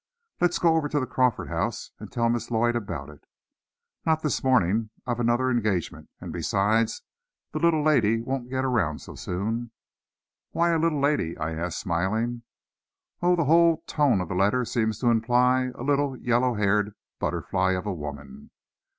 "Let us go over to the Crawford house, and tell Miss Lloyd about it." "Not this morning; I've another engagement. And besides, the little lady won't get around so soon." "Why a little lady?" I asked, smiling. "Oh, the whole tone of the letter seems to imply a little yellow haired butterfly of a woman."